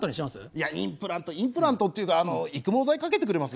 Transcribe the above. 「いやインプラントインプラントっていうか育毛剤かけてくれます？」。